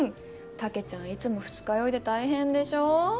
タケちゃんいつも二日酔いで大変でしょ？